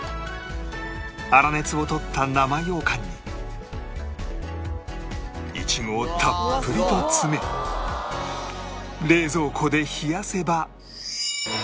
粗熱を取った生洋羹にイチゴをたっぷりと詰め冷蔵庫で冷やせば